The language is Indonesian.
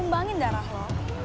lo sumbangin darah lo